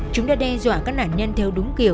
chúng đã đe dọa các nạn nhân theo đúng kiểu